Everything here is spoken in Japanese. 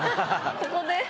ここで？